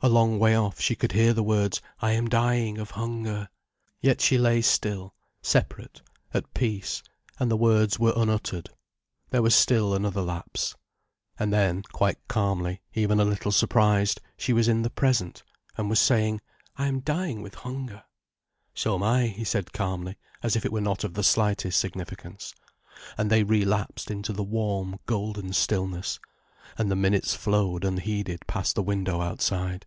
A long way off she could hear the words, "I am dying of hunger." Yet she lay still, separate, at peace, and the words were unuttered. There was still another lapse. And then, quite calmly, even a little surprised, she was in the present, and was saying: "I am dying with hunger." "So am I," he said calmly, as if it were of not the slightest significance. And they relapsed into the warm, golden stillness. And the minutes flowed unheeded past the window outside.